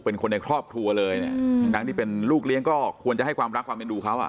เป็นคนในครอบครัวเลยเนี่ยทั้งที่เป็นลูกเลี้ยงก็ควรจะให้ความรักความเป็นดูเขาอ่ะ